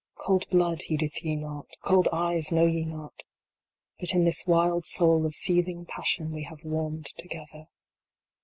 Cold blood heedeth ye not Cold eyes know ye not But in this wild soul of seething passion we have warmed together.